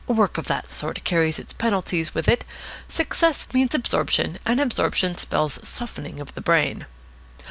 Work of that sort carries its penalties with it. Success means absorption, and absorption spells softening of the brain.